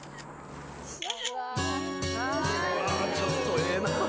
うわちょっとええなぁ。